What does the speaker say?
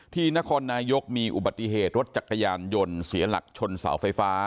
ที่นครนายกมีอุบัติเหตุรถจักรยานยนต์เสียหลักชนเสาไฟฟ้า